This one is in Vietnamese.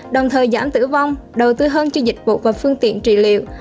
đồng thời giảm tử vong đầu tư hơn cho dịch vụ và phương tiện trị liệu